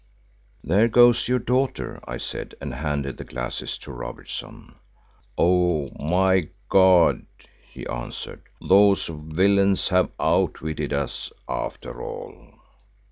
"There goes your daughter," I said, and handed the glasses to Robertson. "Oh! my God," he answered, "those villains have outwitted us after all."